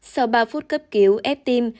sau ba phút cấp cứu ép tim